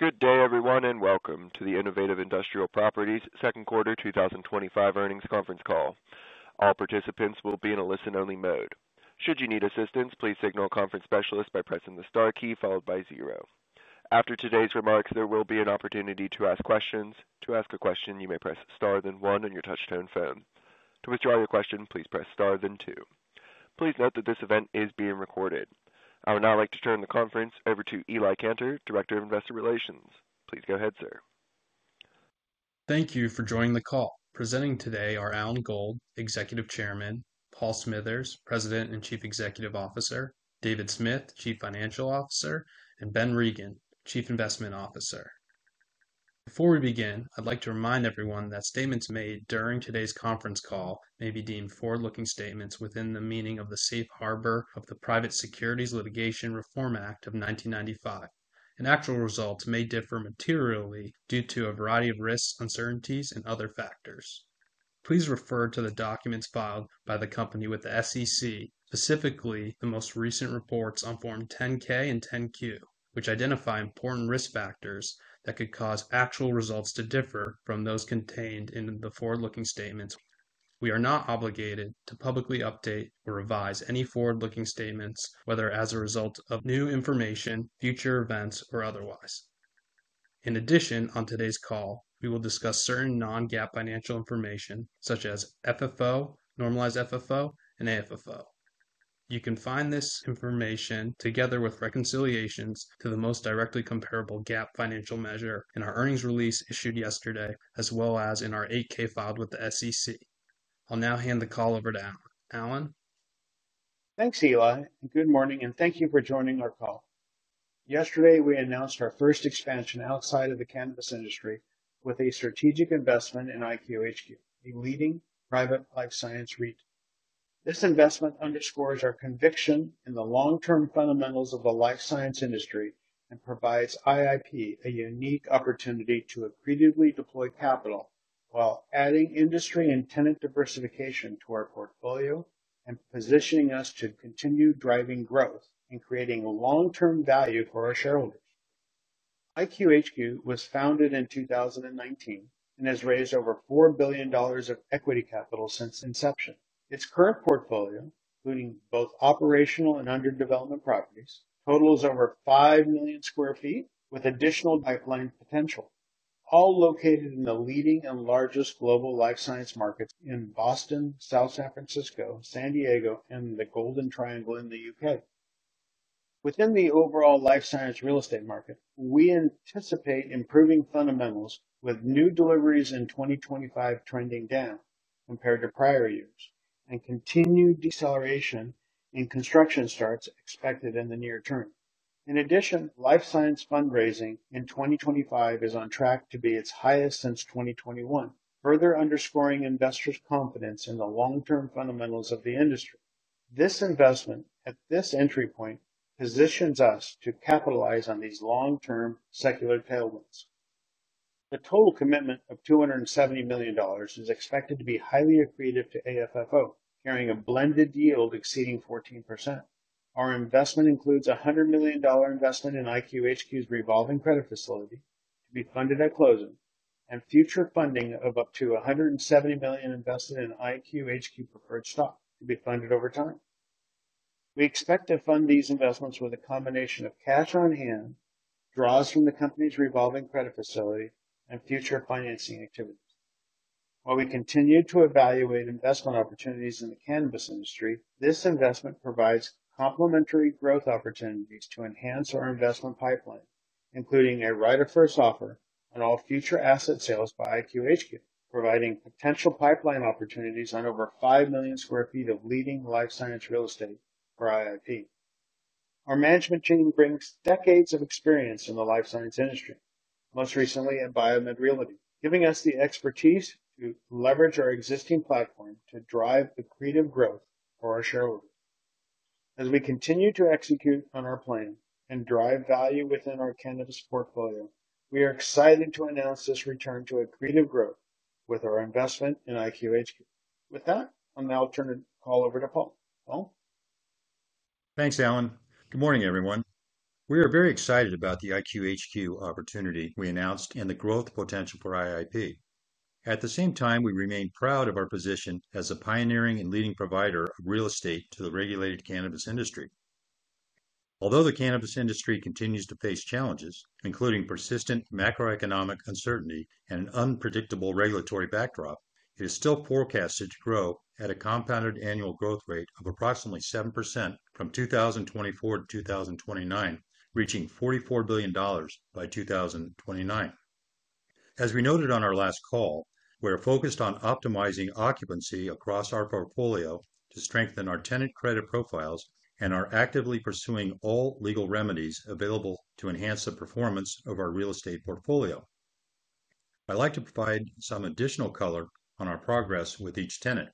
Good day, everyone, and welcome to the Innovative Industrial Properties second quarter 2025 earnings conference call. All participants will be in a listen-only mode. Should you need assistance, please signal a conference specialist by pressing the star key followed by zero. After today's remarks, there will be an opportunity to ask questions. To ask a question, you may press star then one on your touch-tone phone. To withdraw your question, please press star then two. Please note that this event is being recorded. I would now like to turn the conference over to Eli Kanter, Director of Investor Relations. Please go ahead, sir. Thank you for joining the call. Presenting today are Alan Gold, Executive Chairman, Paul Smithers, President and Chief Executive Officer, David Smith, Chief Financial Officer, and Ben Regin, Chief Investment Officer. Before we begin, I'd like to remind everyone that statements made during today's conference call may be deemed forward-looking statements within the meaning of the Safe Harbor of the Private Securities Litigation Reform Act of 1995, and actual results may differ materially due to a variety of risks, uncertainties, and other factors. Please refer to the documents filed by the company with the SEC, specifically the most recent reports on Form 10-K and 10-Q, which identify important risk factors that could cause actual results to differ from those contained in the forward-looking statements. We are not obligated to publicly update or revise any forward-looking statements, whether as a result of new information, future events, or otherwise. In addition, on today's call, we will discuss certain non-GAAP financial information, such as FFO, normalized FFO, and AFFO. You can find this information together with reconciliations to the most directly comparable GAAP financial measure in our earnings release issued yesterday, as well as in our 8-K filed with the SEC. I'll now hand the call over to Alan. Thanks, Eli. Good morning, and thank you for joining our call. Yesterday, we announced our first expansion outside of the cannabis industry with a strategic investment in IQHQ, a leading private life science real estate company. This investment underscores our conviction in the long-term fundamentals of the life science industry and provides IIP a unique opportunity to accretively deploy capital while adding industry and tenant diversification to our portfolio and positioning us to continue driving growth and creating long-term value for our shareholders. IQHQ was founded in 2019 and has raised over $4 billion of equity capital since inception. Its current portfolio, including both operational and under development properties, totals over 5 million square feet with additional pipeline potential, all located in the leading and largest global life science markets in Boston, South San Francisco, San Diego, and the Golden Triangle in the UK. Within the overall life science real estate market, we anticipate improving fundamentals with new deliveries in 2025 trending down compared to prior years and continued deceleration in construction starts expected in the near term. In addition, life science fundraising in 2025 is on track to be its highest since 2021, further underscoring investors' confidence in the long-term fundamentals of the industry. This investment, at this entry point, positions us to capitalize on these long-term secular tailwinds. The total commitment of $270 million is expected to be highly accretive to AFFO, carrying a blended yield exceeding 14%. Our investment includes a $100 million investment in IQHQ's revolving credit facility to be funded at closing, and future funding of up to $170 million invested in IQHQ preferred stock will be funded over time. We expect to fund these investments with a combination of cash on hand, draws from the company's revolving credit facility, and future financing activities. While we continue to evaluate investment opportunities in the cannabis industry, this investment provides complementary growth opportunities to enhance our investment pipeline, including a right of first offer on all future asset sales by IQHQ, providing potential pipeline opportunities on over 5 million square feet of leading life science real estate for IIP. Our management team brings decades of experience in the life science industry, most recently at BioMed Realty, giving us the expertise to leverage our existing platform to drive accretive growth for our shareholders. As we continue to execute on our plan and drive value within our cannabis portfolio, we are excited to announce this return to accretive growth with our investment in IQHQ. With that, I'll now turn it over to Paul. Paul? Thanks, Alan. Good morning, everyone. We are very excited about the IQHQ opportunity we announced and the growth potential for IIP. At the same time, we remain proud of our position as a pioneering and leading provider of real estate to the regulated cannabis industry. Although the cannabis industry continues to face challenges, including persistent macroeconomic uncertainty and an unpredictable regulatory backdrop, it is still forecasted to grow at a compounded annual growth rate of approximately 7% from 2024 to 2029, reaching $44 billion by 2029. As we noted on our last call, we are focused on optimizing occupancy across our portfolio to strengthen our tenant credit profiles and are actively pursuing all legal remedies available to enhance the performance of our real estate portfolio. I'd like to provide some additional color on our progress with each tenant.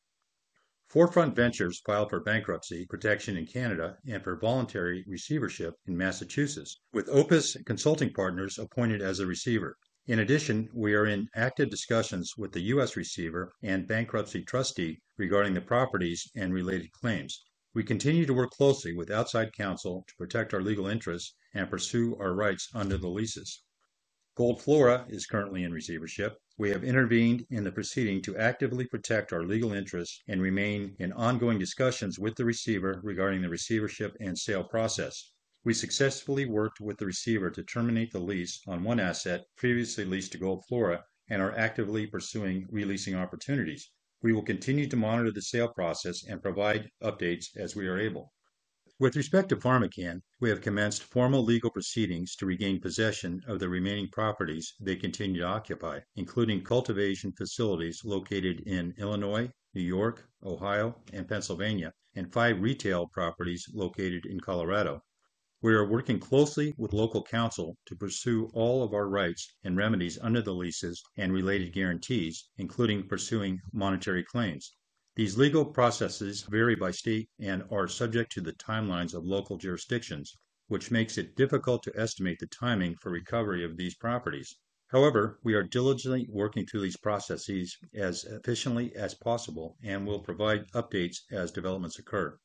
4Front Ventures filed for bankruptcy protection in Canada and for voluntary receivership in Massachusetts, with Opus Consulting Partners appointed as a receiver. In addition, we are in active discussions with the U.S. receiver and bankruptcy trustee regarding the properties and related claims. We continue to work closely with outside counsel to protect our legal interests and pursue our rights under the leases. Gold Flora is currently in receivership. We have intervened in the proceeding to actively protect our legal interests and remain in ongoing discussions with the receiver regarding the receivership and sale process. We successfully worked with the receiver to terminate the lease on one asset previously leased to Gold Flora and are actively pursuing releasing opportunities. We will continue to monitor the sale process and provide updates as we are able. With respect to PharmaCann, we have commenced formal legal proceedings to regain possession of the remaining properties they continue to occupy, including cultivation facilities located in Illinois, New York, Ohio, and Pennsylvania, and five retail properties located in Colorado. We are working closely with local counsel to pursue all of our rights and remedies under the leases and related guarantees, including pursuing monetary claims. These legal processes vary by state and are subject to the timelines of local jurisdictions, which makes it difficult to estimate the timing for recovery of these properties. However, we are diligently working through these processes as efficiently as possible and will provide updates as developments occur.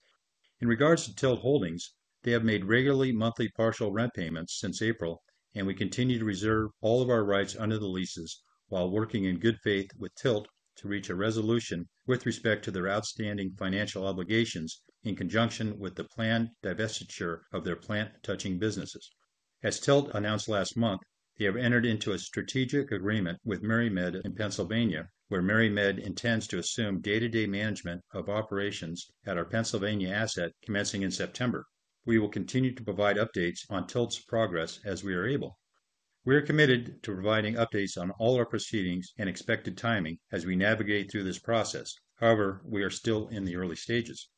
In regards to TILT Holdings, they have made regular monthly partial rent payments since April, and we continue to reserve all of our rights under the leases while working in good faith with TILT to reach a resolution with respect to their outstanding financial obligations in conjunction with the planned divestiture of their plant-touching businesses. As TILT announced last month, they have entered into a strategic agreement with MaryMed in Pennsylvania, where MaryMed intends to assume day-to-day management of operations at our Pennsylvania asset commencing in September. We will continue to provide updates on TILT's progress as we are able. We are committed to providing updates on all our proceedings and expected timing as we navigate through this process. However, we are still in the early stages.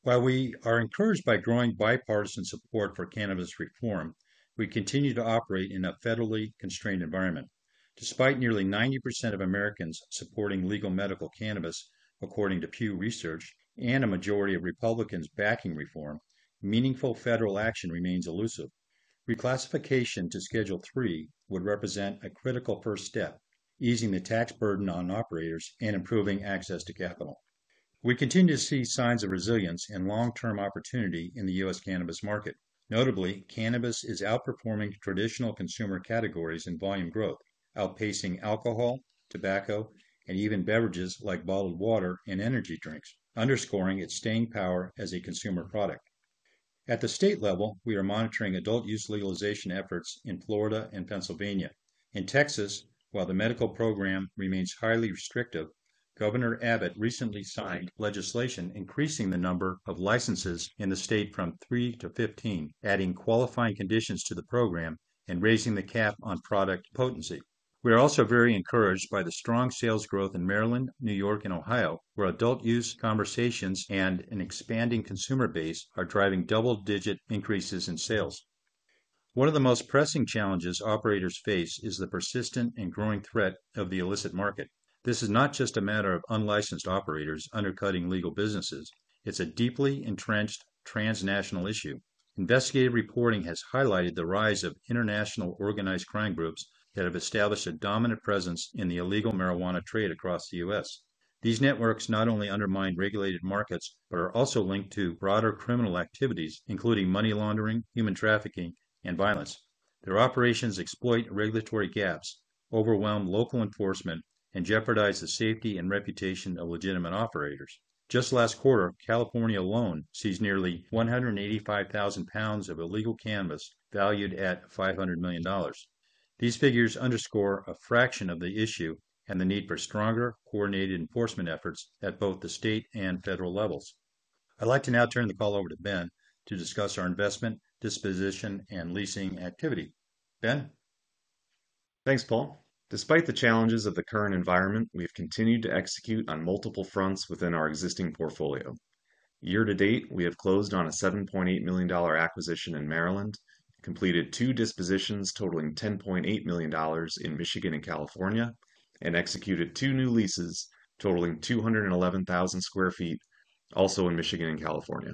While we are encouraged by growing bipartisan support for cannabis reform, we continue to operate in a federally constrained environment. Despite nearly 90% of Americans supporting legal medical cannabis, according to Pew Research, and a majority of Republicans backing reform, meaningful federal action remains elusive. Reclassification to Schedule III would represent a critical first step, easing the tax burden on operators and improving access to capital. We continue to see signs of resilience and long-term opportunity in the U.S. cannabis market. Notably, cannabis is outperforming traditional consumer categories in volume growth, outpacing alcohol, tobacco, and even beverages like bottled water and energy drinks, underscoring its staying power as a consumer product. At the state level, we are monitoring adult use legalization efforts in Florida and Pennsylvania. In Texas, while the medical program remains highly restrictive, Governor Abbott recently signed legislation increasing the number of licenses in the state from 3 to 15, adding qualifying conditions to the program and raising the cap on product potency. We are also very encouraged by the strong sales growth in Maryland, New York, and Ohio, where adult use conversations and an expanding consumer base are driving double-digit increases in sales. One of the most pressing challenges operators face is the persistent and growing threat of the illicit market. This is not just a matter of unlicensed operators undercutting legal businesses, it's a deeply entrenched transnational issue. Investigative reporting has highlighted the rise of international organized crime groups that have established a dominant presence in the illegal marijuana trade across the U.S. These networks not only undermine regulated markets but are also linked to broader criminal activities, including money laundering, human trafficking, and violence. Their operations exploit regulatory gaps, overwhelm local enforcement, and jeopardize the safety and reputation of legitimate operators. Just last quarter, California alone seized nearly 185,000 pounds of illegal cannabis valued at $500 million. These figures underscore a fraction of the issue and the need for stronger coordinated enforcement efforts at both the state and federal levels. I'd like to now turn the call over to Ben to discuss our investment, disposition, and leasing activity. Ben? Thanks, Paul. Despite the challenges of the current environment, we have continued to execute on multiple fronts within our existing portfolio. Year to date, we have closed on a $7.8 million acquisition in Maryland, completed two dispositions totaling $10.8 million in Michigan and California, and executed two new leases totaling 211,000 square feet, also in Michigan and California.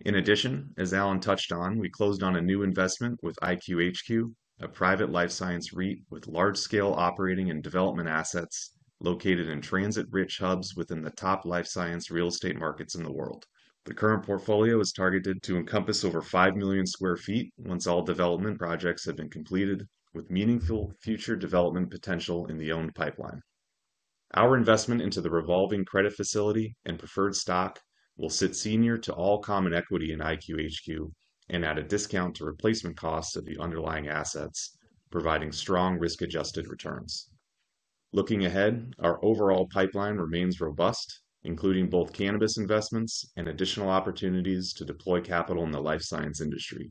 In addition, as Alan touched on, we closed on a new investment with IQHQ, a private life science REIT with large-scale operating and development assets located in transit-rich hubs within the top life science real estate markets in the world. The current portfolio is targeted to encompass over 5 million square feet once all development projects have been completed, with meaningful future development potential in the owned pipeline. Our investment into the revolving credit facility and preferred stock will sit senior to all common equity in IQHQ and at a discount to replacement costs of the underlying assets, providing strong risk-adjusted returns. Looking ahead, our overall pipeline remains robust, including both cannabis investments and additional opportunities to deploy capital in the life science industry.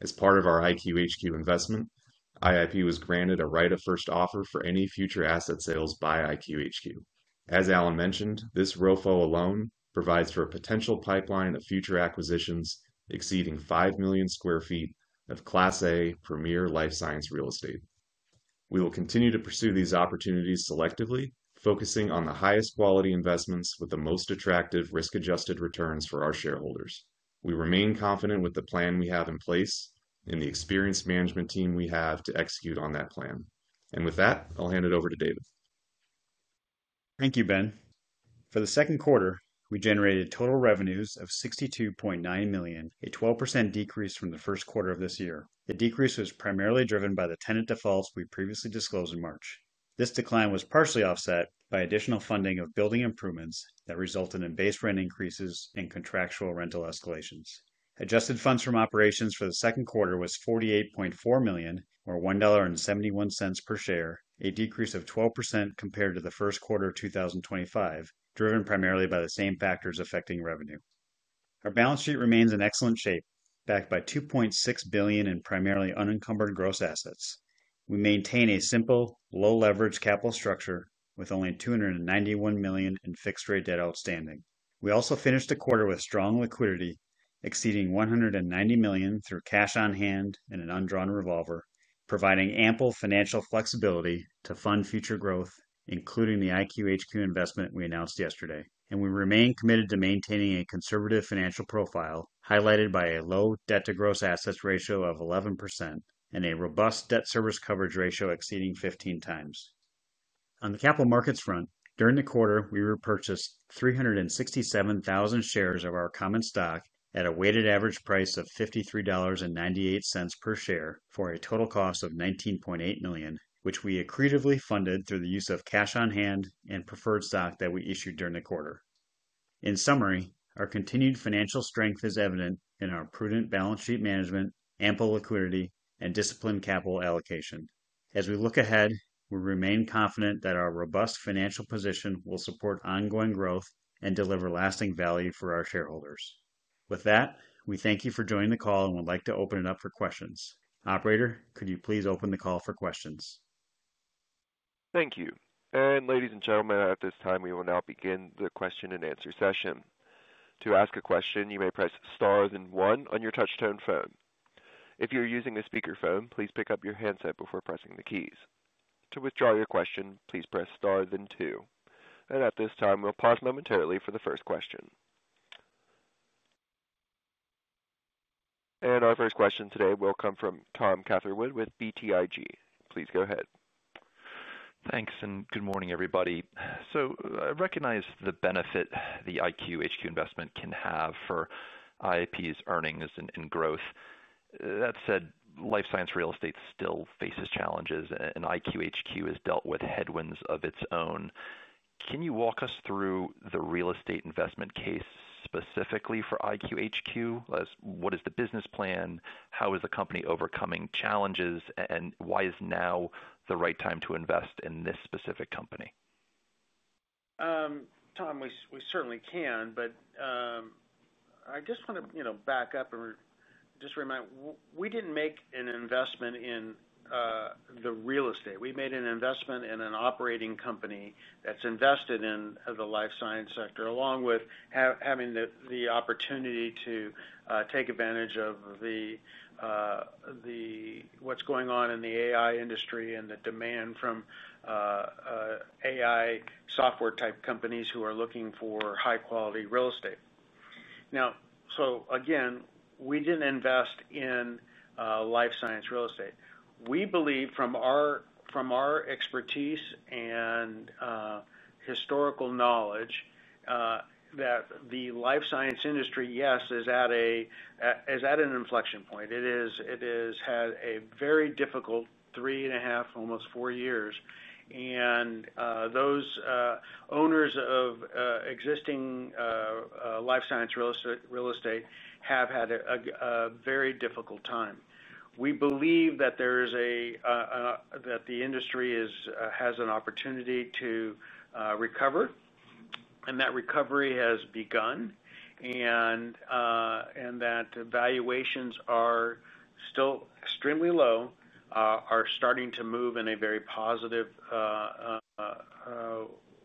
As part of our IQHQ investment, IIP was granted a right of first offer for any future asset sales by IQHQ. As Alan mentioned, this ROFO alone provides for a potential pipeline of future acquisitions exceeding 5 million square feet of Class A premier life science real estate. We will continue to pursue these opportunities selectively, focusing on the highest quality investments with the most attractive risk-adjusted returns for our shareholders. We remain confident with the plan we have in place and the experienced management team we have to execute on that plan. With that, I'll hand it over to David. Thank you, Ben. For the second quarter, we generated total revenues of $62.9 million, a 12% decrease from the first quarter of this year. The decrease was primarily driven by the tenant defaults we previously disclosed in March. This decline was partially offset by additional funding of building improvements that resulted in base rent increases and contractual rental escalations. Adjusted funds from operations for the second quarter were $48.4 million, or $1.71 per share, a decrease of 12% compared to the first quarter of 2025, driven primarily by the same factors affecting revenue. Our balance sheet remains in excellent shape, backed by $2.6 billion in primarily unencumbered gross assets. We maintain a simple, low-leveraged capital structure with only $291 million in fixed-rate debt outstanding. We also finished the quarter with strong liquidity, exceeding $190 million through cash on hand and an undrawn revolver, providing ample financial flexibility to fund future growth, including the IQHQ investment we announced yesterday. We remain committed to maintaining a conservative financial profile highlighted by a low debt-to-gross assets ratio of 11% and a robust debt service coverage ratio exceeding 15x. On the capital markets front, during the quarter, we repurchased 367,000 shares of our common stock at a weighted average price of $53.98 per share for a total cost of $19.8 million, which we accretively funded through the use of cash on hand and preferred stock that we issued during the quarter. In summary, our continued financial strength is evident in our prudent balance sheet management, ample liquidity, and disciplined capital allocation. As we look ahead, we remain confident that our robust financial position will support ongoing growth and deliver lasting value for our shareholders. With that, we thank you for joining the call and would like to open it up for questions. Operator, could you please open the call for questions? Thank you. Ladies and gentlemen, at this time, we will now begin the question and answer session. To ask a question, you may press star then one on your touch-tone phone. If you're using a speaker phone, please pick up your handset before pressing the keys. To withdraw your question, please press star then two. At this time, we'll pause momentarily for the first question. Our first question today will come from William Thomas Catherwood with BTIG. Please go ahead. you, and good morning, everybody. I recognize the benefit the IQHQ investment can have for IIP's earnings and growth. That said, life science real estate still faces challenges, and IQHQ has dealt with headwinds of its own. Can you walk us through the real estate investment case specifically for IQHQ? What is the business plan? How is the company overcoming challenges? Why is now the right time to invest in this specific company? Tom, we certainly can, but I just want to back up and remind we didn't make an investment in the real estate. We made an investment in an operating company that's invested in the life science sector, along with having the opportunity to take advantage of what's going on in the AI industry and the demand from AI software-type companies who are looking for high-quality real estate. Again, we didn't invest in life science real estate. We believe from our expertise and historical knowledge that the life science industry, yes, is at an inflection point. It has had a very difficult three and a half, almost four years. Those owners of existing life science real estate have had a very difficult time. We believe that the industry has an opportunity to recover, and that recovery has begun, and that valuations are still extremely low, are starting to move in a very positive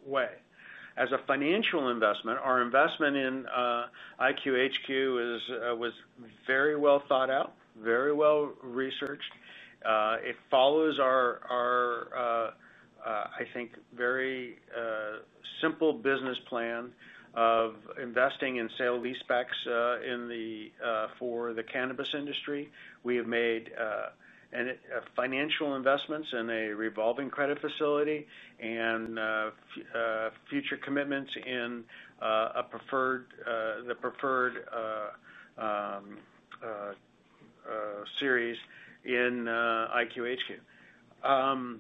way. As a financial investment, our investment in IQHQ was very well thought out, very well researched. It follows our, I think, very simple business plan of investing in sale lease specs for the cannabis industry. We have made financial investments in a revolving credit facility and future commitments in the preferred series in IQHQ. I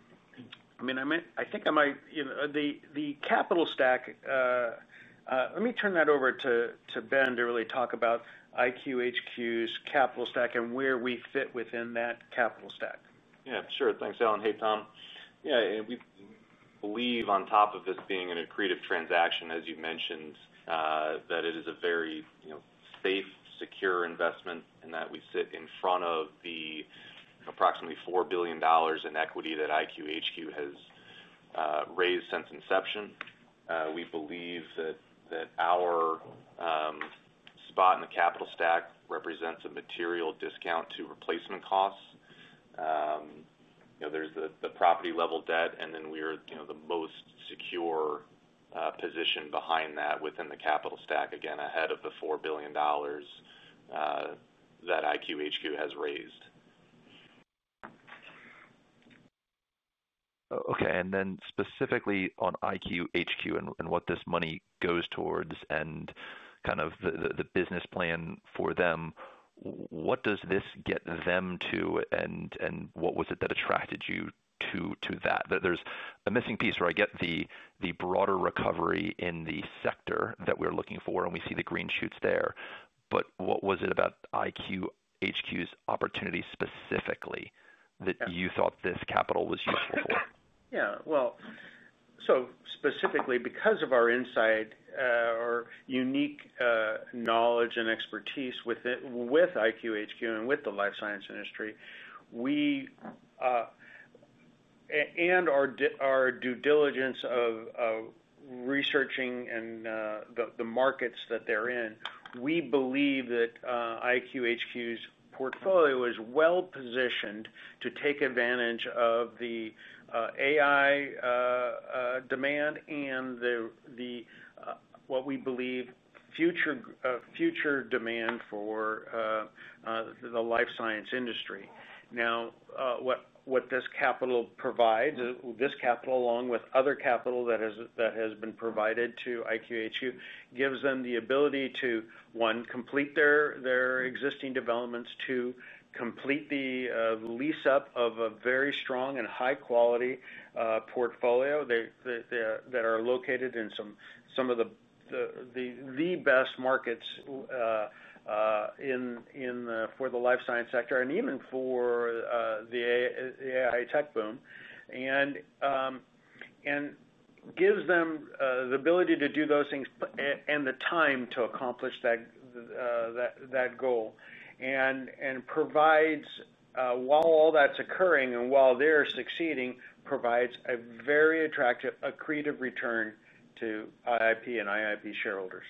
think the capital stack, let me turn that over to Ben to really talk about IQHQ's capital stack and where we fit within that capital stack. Yeah, sure. Thanks, Alan. Hey, Tom. We believe on top of this being an accretive transaction, as you mentioned, that it is a very, you know, safe, secure investment and that we sit in front of the approximately $4 billion in equity that IQHQ has raised since inception. We believe that our spot in the capital stack represents a material discount to replacement costs. There's the property-level debt, and then we are the most secure position behind that within the capital stack, again, ahead of the $4 billion that IQHQ has raised. Okay, and then specifically on IQHQ and what this money goes towards and kind of the business plan for them, what does this get them to and what was it that attracted you to that? There's a missing piece where I get the broader recovery in the sector that we're looking for and we see the green shoots there, but what was it about IQHQ's opportunity specifically that you thought this capital was useful for? Specifically because of our insight or unique knowledge and expertise with IQHQ and with the life science industry, and our due diligence of researching the markets that they're in, we believe that IQHQ's portfolio is well positioned to take advantage of the AI demand and what we believe is future demand for the life science industry. What this capital provides, this capital along with other capital that has been provided to IQHQ, gives them the ability to, one, complete their existing developments, two, complete the lease-up of a very strong and high-quality portfolio that are located in some of the best markets for the life science sector and even for the AI tech boom, and gives them the ability to do those things and the time to accomplish that goal, and provides, while all that's occurring and while they're succeeding, a very attractive accretive return to IIP and IIP shareholders.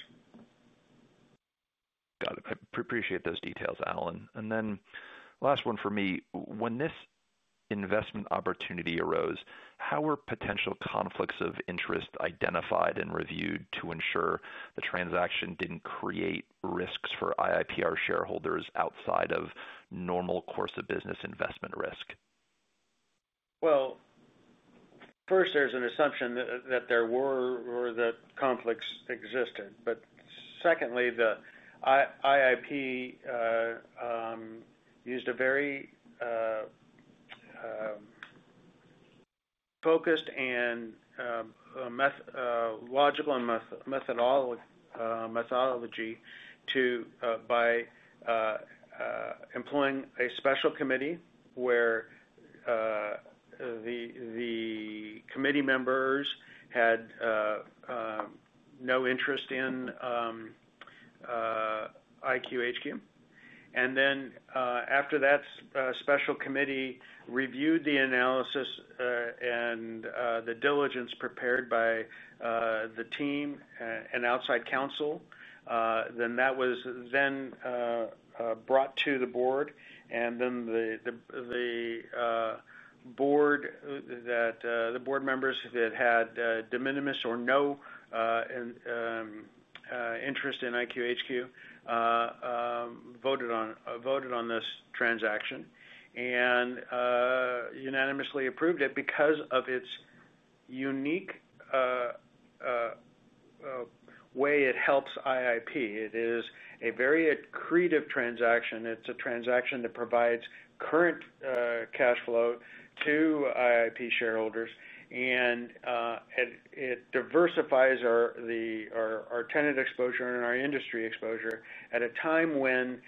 Got it. I appreciate those details, Alan. Last one for me. When this investment opportunity arose, how were potential conflicts of interest identified and reviewed to ensure the transaction didn't create risks for IIPR shareholders outside of normal course of business investment risk? First, there's an assumption that there were or that conflicts existed, but secondly, IIP used a very focused and logical methodology by employing a special committee where the committee members had no interest in IQHQ. After that special committee reviewed the analysis and the diligence prepared by the team and outside counsel, that was then brought to the board, and the board members that had de minimis or no interest in IQHQ voted on this transaction and unanimously approved it because of its unique way it helps IIP. It is a very accretive transaction. It's a transaction that provides current cash flow to IIP shareholders, and it diversifies our tenant exposure and our industry exposure at a time when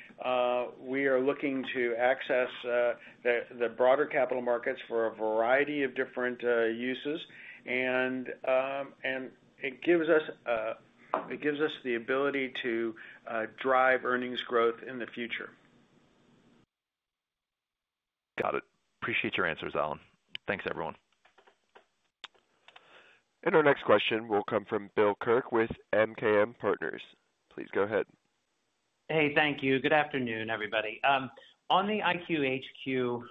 we are looking to access the broader capital markets for a variety of different uses, and it gives us the ability to drive earnings growth in the future. Got it. Appreciate your answers, Alan. Thanks, everyone. Our next question will come from William Kirk with MKM Partners. Please go ahead. Hey, thank you. Good afternoon, everybody. On the IQHQ,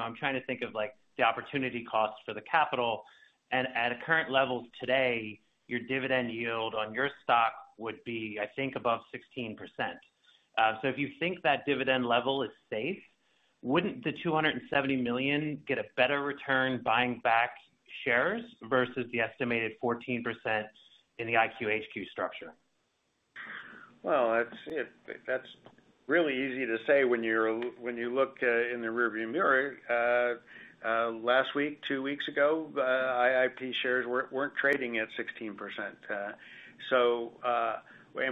I'm trying to think of the opportunity cost for the capital, and at a current level today, your dividend yield on your stock would be, I think, above 16%. If you think that dividend level is safe, wouldn't the $270 million get a better return buying back shares versus the estimated 14% in the IQHQ structure? That's really easy to say when you look in the rearview mirror. Last week, two weeks ago, IIP shares weren't trading at 16%.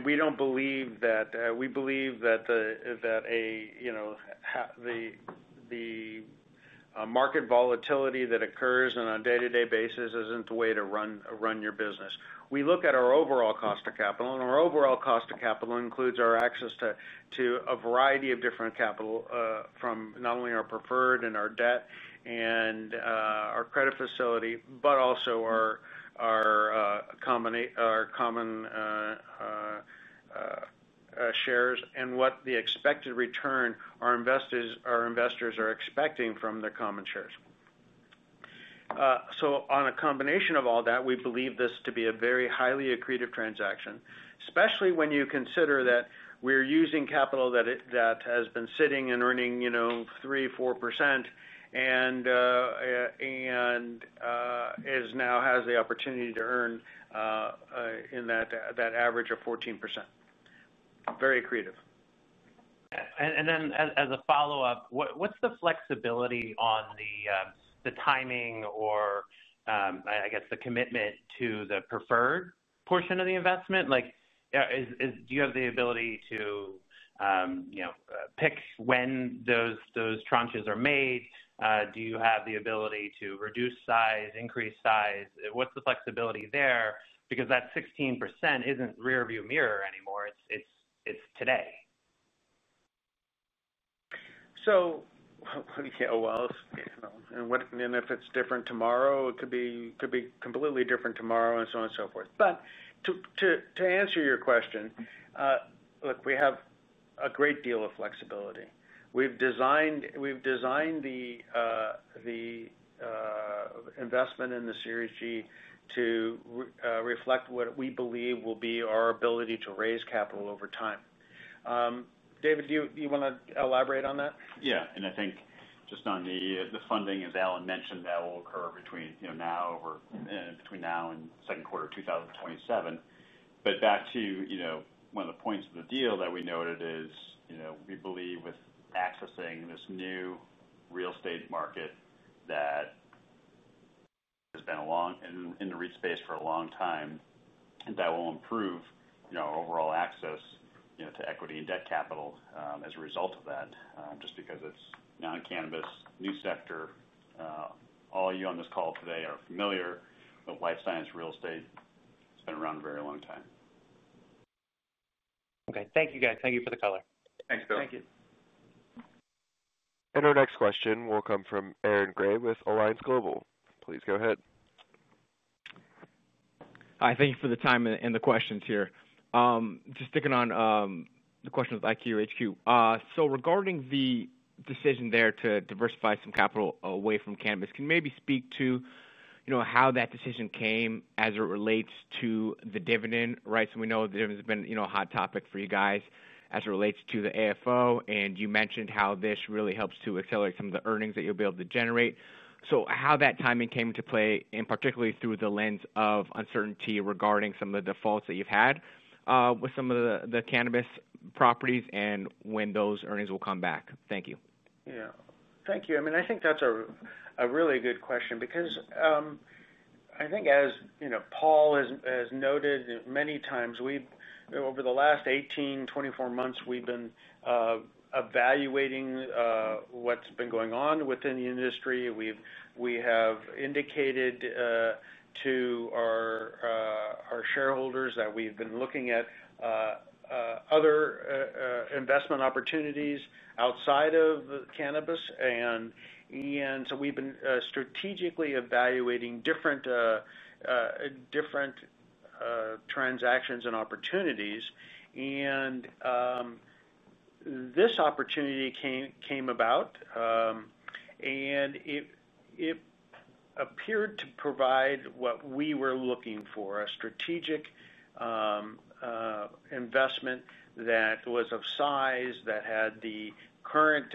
We don't believe that. We believe that the market volatility that occurs on a day-to-day basis isn't the way to run your business. We look at our overall cost of capital, and our overall cost of capital includes our access to a variety of different capital from not only our preferred and our debt and our credit facility, but also our common shares and what the expected return our investors are expecting from the common shares. On a combination of all that, we believe this to be a very highly accretive transaction, especially when you consider that we're using capital that has been sitting and earning, you know, 3%, 4% and now has the opportunity to earn in that average of 14%. Very accretive. What's the flexibility on the timing or, I guess, the commitment to the preferred portion of the investment? Do you have the ability to pick when those tranches are made? Do you have the ability to reduce size, increase size? What's the flexibility there? That 16% isn't rearview mirror anymore. It's today. Yes, if it's different tomorrow, it could be completely different tomorrow, and so on and so forth. To answer your question, look, we have a great deal of flexibility. We've designed the investment in the Series G to reflect what we believe will be our ability to raise capital over time. David, do you want to elaborate on that? Yeah, I think just on the funding, as Alan mentioned, that will occur between now and the second quarter of 2027. Back to one of the points of the deal that we noted, we believe with accessing this new real estate market that has been in the REIT space for a long time, that will improve overall access to equity and debt capital as a result of that, just because it's non-cannabis, new sector. All of you on this call today are familiar with life science real estate. It's been around a very long time. Okay, thank you guys. Thank you for the call. Thanks, Will. Thank you. Our next question will come from Aaron Thomas Grey with Alliance Global. Please go ahead. Hi, thank you for the time and the questions here. Just sticking on the question with IQHQ. Regarding the decision there to diversify some capital away from cannabis, can you maybe speak to how that decision came as it relates to the dividend, right? We know that there's been a hot topic for you guys as it relates to the AFFO, and you mentioned how this really helps to accelerate some of the earnings that you'll be able to generate. How that timing came into play, and particularly through the lens of uncertainty regarding some of the defaults that you've had with some of the cannabis properties, and when those earnings will come back. Thank you. Yeah, thank you. I think that's a really good question because I think as Paul has noted many times, over the last 18 to 24 months, we've been evaluating what's been going on within the industry. We have indicated to our shareholders that we've been looking at other investment opportunities outside of cannabis, and we've been strategically evaluating different transactions and opportunities. This opportunity came about, and it appeared to provide what we were looking for, a strategic investment that was of size, that had the current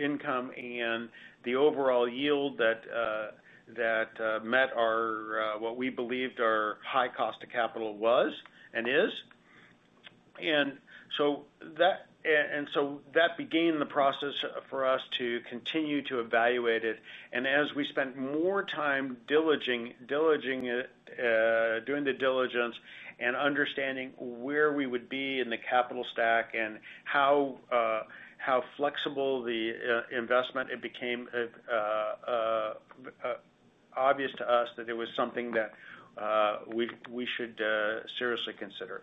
income, and the overall yield that met what we believed our high cost of capital was and is. That began the process for us to continue to evaluate it. As we spent more time diligently doing the diligence and understanding where we would be in the capital stack and how flexible the investment, it became obvious to us that it was something that we should seriously consider.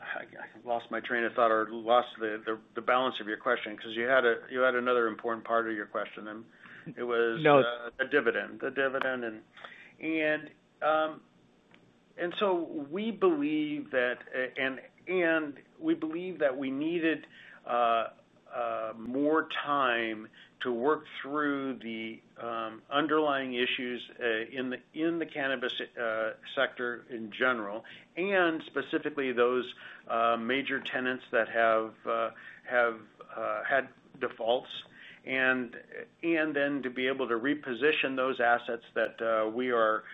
I lost my train of thought or lost the balance of your question because you had another important part of your question, and it was the dividend. We believe that we needed more time to work through the underlying issues in the cannabis sector in general, and specifically those major tenants that have had defaults, and then to be able to reposition those assets that we are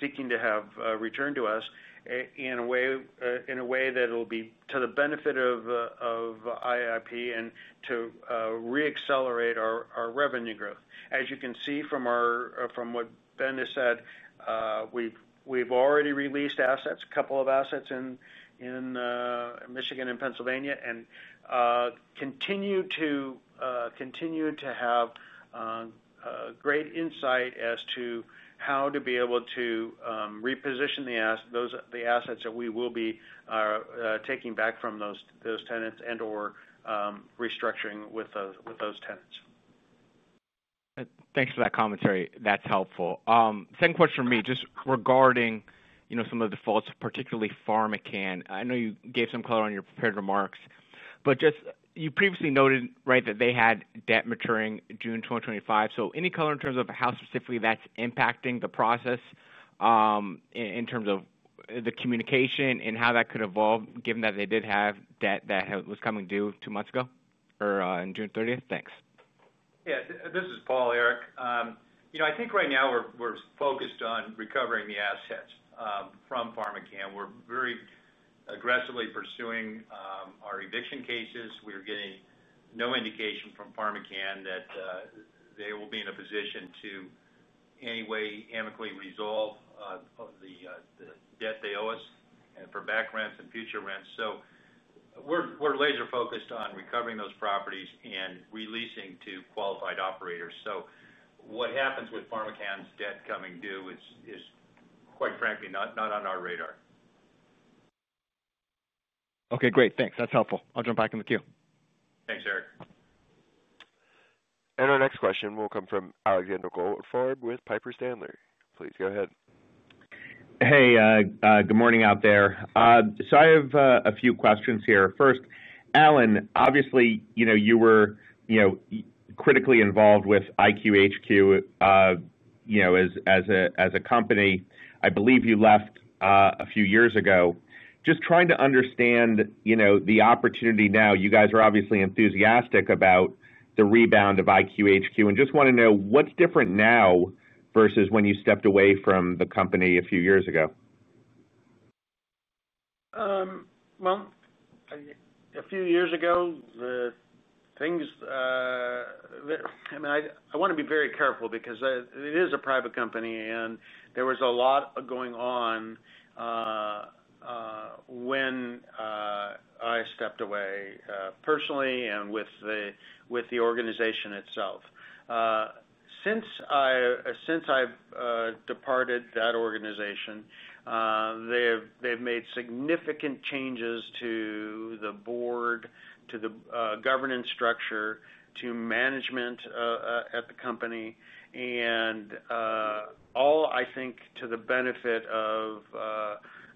seeking to have returned to us in a way that will be to the benefit of IIP and to re-accelerate our revenue growth. As you can see from what Ben has said, we've already released assets, a couple of assets in Michigan and Pennsylvania, and continue to have great insight as to how to be able to reposition the assets that we will be taking back from those tenants and/or restructuring with those tenants. Thanks for that commentary. That's helpful. Second question from me, just regarding, you know, some of the defaults, particularly PharmaCann. I know you gave some color on your prepared remarks, but just you previously noted, right, that they had debt maturing June 2025. Any color in terms of how specifically that's impacting the process in terms of the communication and how that could evolve, given that they did have debt that was coming due two months ago or on June 30th? Thanks. Yeah, this is Paul. You know, I think right now we're focused on recovering the assets from PharmaCann. We're very aggressively pursuing our eviction cases. We're getting no indication from PharmaCann that they will be in a position to any way amicably resolve the debt they owe us for back rents and future rents. We're laser-focused on recovering those properties and releasing to qualified operators. What happens with PharmaCann's debt coming due is, quite frankly, not on our radar. Okay, great. Thanks. That's helpful. I'll jump back in the queue. Thanks, Grey. Our next question will come from Alexander David Goldfarb with Piper Sandler. Please go ahead. Good morning out there. I have a few questions here. First, Alan, obviously, you were critically involved with IQHQ as a company. I believe you left a few years ago. I'm just trying to understand the opportunity now. You guys are obviously enthusiastic about the rebound of IQHQ and just want to know what's different now versus when you stepped away from the company a few years ago. A few years ago, the things that, I mean, I want to be very careful because it is a private company and there was a lot going on when I stepped away personally and with the organization itself. Since I've departed that organization, they've made significant changes to the board, to the governance structure, to management at the company, and all, I think, to the benefit of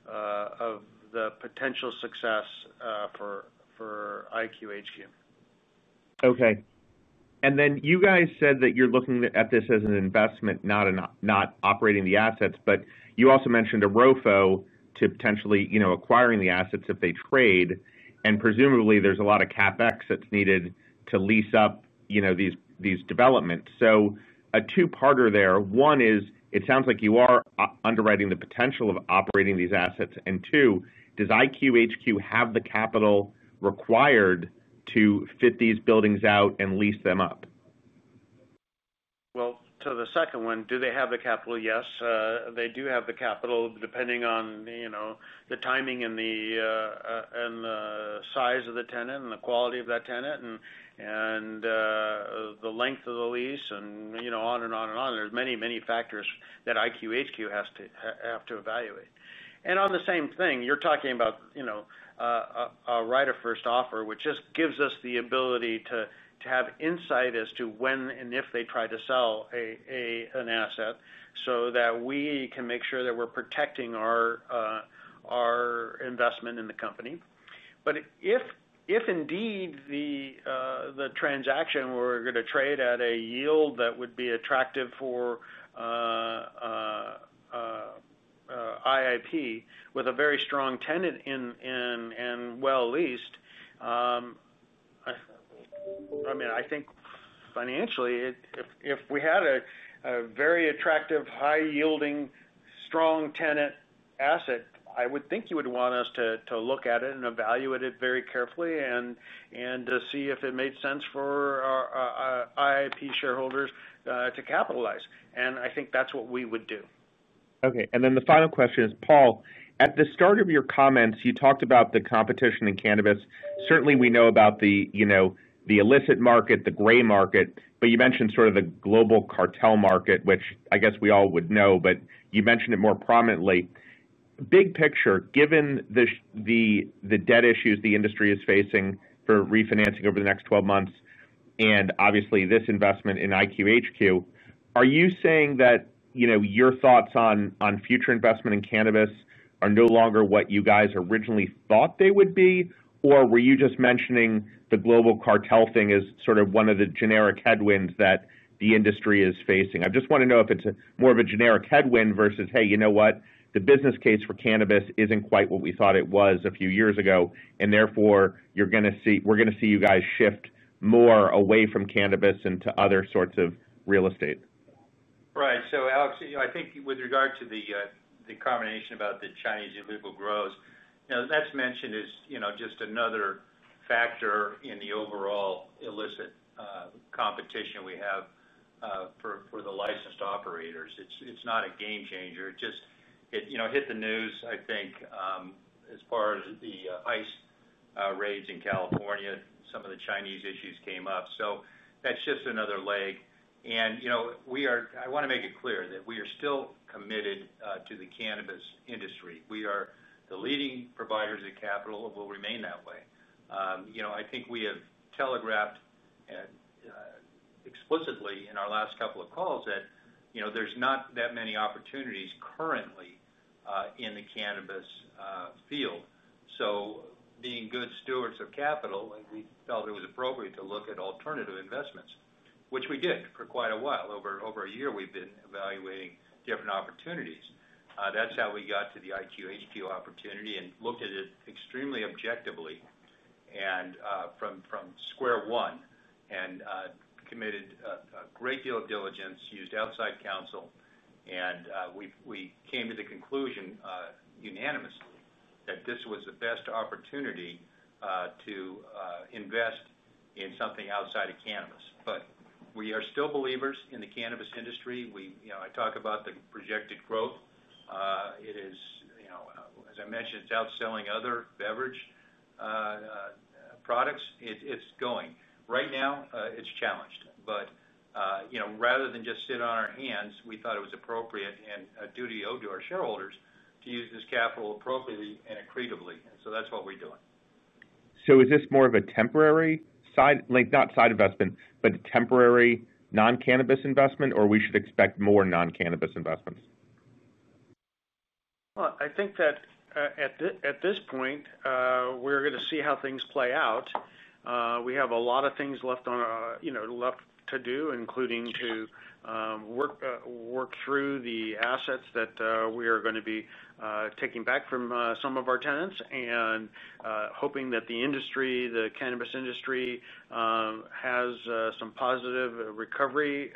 the potential success for IQHQ. Okay. You said that you're looking at this as an investment, not operating the assets, but you also mentioned a ROFO to potentially, you know, acquiring the assets if they trade. Presumably, there's a lot of CapEx that's needed to lease up, you know, these developments. A two-parter there. One is, it sounds like you are underwriting the potential of operating these assets. Two, does IQHQ have the capital required to fit these buildings out and lease them up? To the second one, do they have the capital? Yes, they do have the capital depending on the timing and the size of the tenant and the quality of that tenant and the length of the lease and on and on and on. There are many, many factors that IQHQ has to evaluate. On the same thing, you're talking about a right of first offer, which just gives us the ability to have insight as to when and if they try to sell an asset so that we can make sure that we're protecting our investment in the company. If indeed the transaction were to trade at a yield that would be attractive for IIP with a very strong tenant and well leased, I think financially, if we had a very attractive, high-yielding, strong tenant asset, you would want us to look at it and evaluate it very carefully and see if it made sense for our IIP shareholders to capitalize. I think that's what we would do. Okay. The final question is, Paul, at the start of your comments, you talked about the competition in cannabis. Certainly, we know about the illicit market, the gray market, but you mentioned sort of the global cartel market, which I guess we all would know, but you mentioned it more prominently. Big picture, given the debt issues the industry is facing for refinancing over the next 12 months, and obviously this investment in IQHQ, are you saying that your thoughts on future investment in cannabis are no longer what you guys originally thought they would be, or were you just mentioning the global cartel thing as sort of one of the generic headwinds that the industry is facing? I just want to know if it's more of a generic headwind versus, hey, you know what, the business case for cannabis isn't quite what we thought it was a few years ago, and therefore you're going to see, we're going to see you guys shift more away from cannabis and to other sorts of real estate. Right. So, Alex, I think with regard to the combination about the Chinese illegal grows, that's mentioned as just another factor in the overall illicit competition we have for the licensed operators. It's not a game changer. It just hit the news, I think, as far as the ICE raids in California, some of the Chinese issues came up. That's just another leg. I want to make it clear that we are still committed to the cannabis industry. We are the leading providers of capital and will remain that way. I think we have telegraphed explicitly in our last couple of calls that there's not that many opportunities currently in the cannabis field. Being good stewards of capital, we felt it was appropriate to look at alternative investments, which we did for quite a while. Over a year, we've been evaluating different opportunities. That's how we got to the IQHQ opportunity and looked at it extremely objectively and from square one and committed a great deal of diligence, used outside counsel, and we came to the conclusion unanimously that this was the best opportunity to invest in something outside of cannabis. We are still believers in the cannabis industry. I talk about the projected growth. It is, as I mentioned, it's outselling other beverage products. It's going. Right now, it's challenged. Rather than just sit on our hands, we thought it was appropriate and a duty owed to our shareholders to use this capital appropriately and accretively. That's what we're doing. Is this more of a temporary, not side investment, but a temporary non-cannabis investment, or should we expect more non-cannabis investments? I think that at this point, we're going to see how things play out. We have a lot of things left to do, including to work through the assets that we are going to be taking back from some of our tenants and hoping that the industry, the cannabis industry, has some positive recovery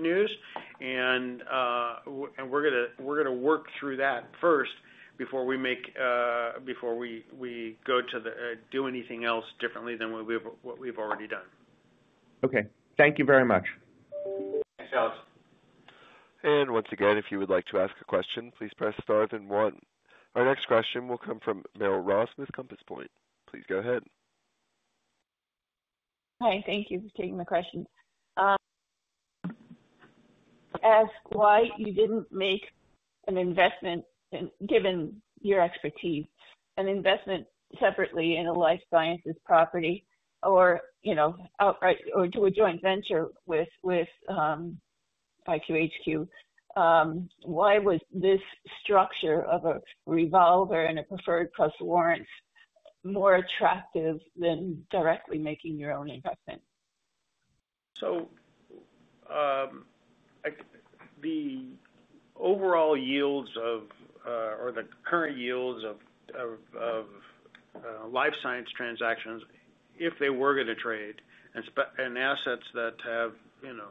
news. We're going to work through that first before we go to do anything else differently than what we've already done. Okay, thank you very much. Once again, if you would like to ask a question, please press star then one. Our next question will come from Merrill Hadady Ross with Compass Point. Please go ahead. Hi, thank you for taking my question. Why you didn't make an investment, given your expertise, an investment separately in a life science property or, you know, or to a joint venture with IQHQ? Why was this structure of a revolver and a preferred trust warrant more attractive than directly making your own investment? The overall yields of, or the current yields of life science transactions, if they were going to trade, and assets that have, you know,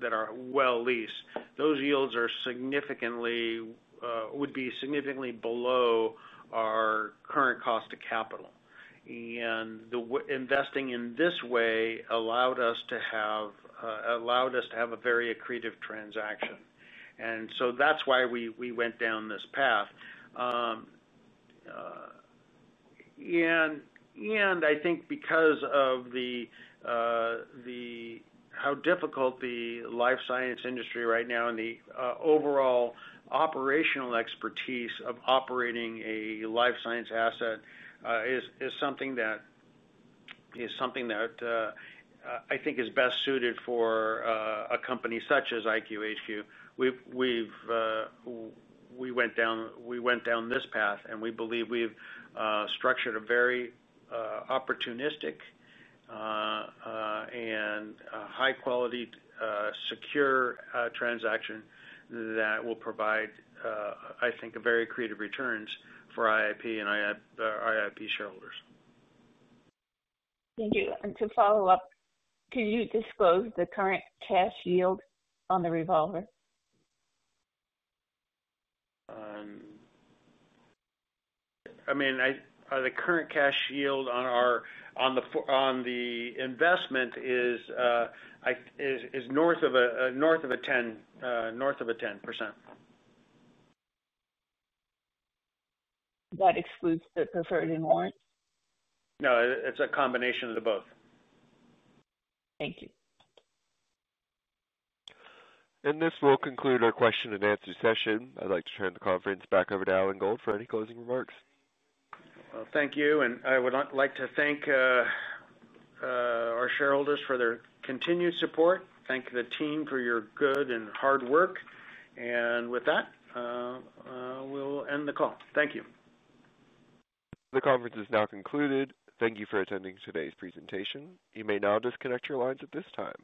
that are well leased, those yields would be significantly below our current cost of capital. Investing in this way allowed us to have a very accretive transaction. That is why we went down this path. I think because of how difficult the life science industry is right now and the overall operational expertise of operating a life science asset is something that I think is best suited for a company such as IQHQ. We went down this path, and we believe we've structured a very opportunistic and high-quality, secure transaction that will provide, I think, very accretive returns for IIP and IIP shareholders. Thank you. To follow up, can you disclose the current cash yield on the revolving credit facility? I mean, the current cash yield on the investment is north of 10%. That excludes the preferred and the warrant? No, it's a combination of both. Thank you. This will conclude our question-and-answer session. I'd like to turn the conference back over to Alan Gold for any closing remarks. Thank you, and I would like to thank our shareholders for their continued support. Thank the team for your good and hard work. With that, we'll end the call. Thank you. The conference is now concluded. Thank you for attending today's presentation. You may now disconnect your lines at this time.